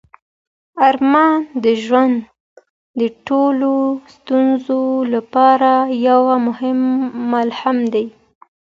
ارمان د ژوند د ټولو ستونزو لپاره یو مرهم دی.